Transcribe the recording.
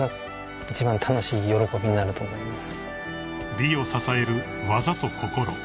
［美を支える技と心］